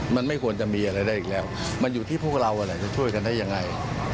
มันไม่ควรจะมีอะไรได้อีกแล้วมันอยู่ที่พวกเราแหละจะช่วยกันได้ยังไง